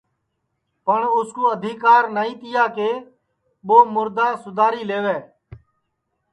پٹؔ اُس کُو آدیکار نائی تیا کہ ٻو مُردا سُداری لئیوے